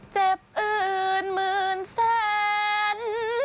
เจ็บอื่นหมื่นแสน